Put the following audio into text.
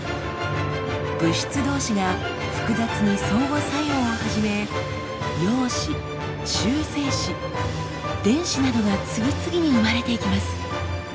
物質同士が複雑に相互作用を始め陽子中性子電子などが次々に生まれていきます。